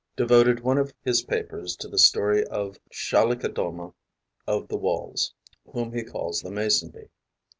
devoted one of his papers to the story of the Chalicodoma of the Walls, whom he calls the Mason bee.